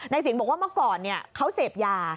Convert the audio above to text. ในสิงสมบูรณ์บอกว่าเมื่อก่อนเขาเสพยา